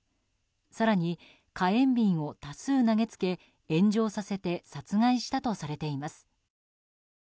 更に、火炎瓶を多数投げつけ炎上させて殺害したとされています。